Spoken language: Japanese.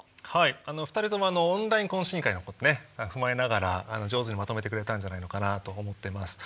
２人ともオンライン懇親会のことね踏まえながら上手にまとめてくれたんじゃないのかなと思ってます。